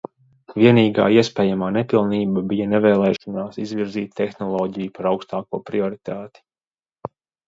Vienīgā iespējamā nepilnība bija nevēlēšanās izvirzīt tehnoloģiju par augstāko prioritāti.